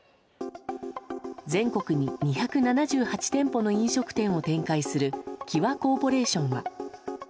全国に２７８店舗の飲食店を展開する際コーポレーションは。